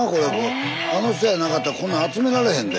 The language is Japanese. あの人やなかったらこんな集められへんで。